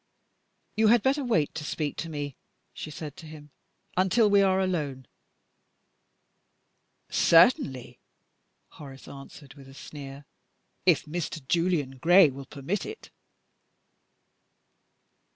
"You had better wait to speak to me," she said to him, "until we are alone." "Certainly," Horace answered with a sneer, "if Mr. Julian Gray will permit it."